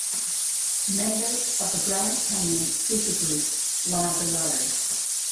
Members of the Grand Canyon Supergroup lie below.